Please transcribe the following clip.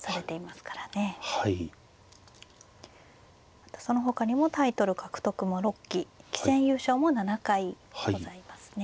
またそのほかにもタイトル獲得も６期棋戦優勝も７回ございますね。